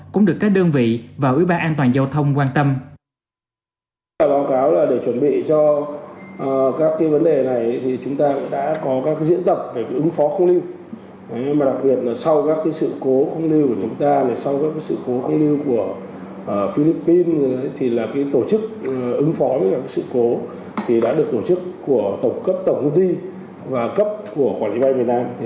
cũng được các đơn vị và ủy ban an toàn giao thông quan tâm